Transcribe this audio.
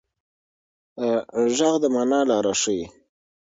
غږ د مانا لاره ښيي.